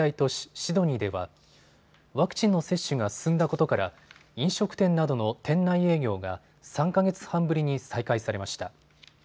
シドニーではワクチンの接種が進んだことから飲食店などの店内営業が３か月半ぶりに再開されました。